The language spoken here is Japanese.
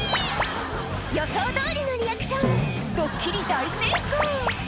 予想どおりのリアクションドッキリ大成功！